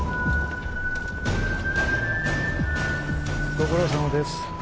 ご苦労さまです。